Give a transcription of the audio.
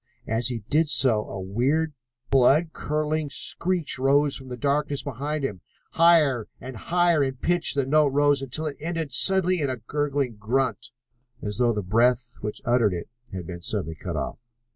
As he did so a weird, blood curdling screech rose from the darkness behind them. Higher and higher in pitch the note rose until it ended suddenly in a gurgling grunt, as though the breath which uttered it had been suddenly cut off.